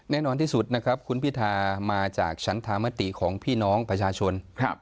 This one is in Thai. แน่นอนที่สุดนะครับคุณพิธามาจากฉันธรรมติของพี่น้องประชาชน